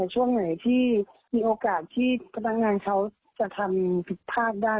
ช่วงไหนที่มีโอกาสที่พนักงานเขาจะทำผิดพลาดได้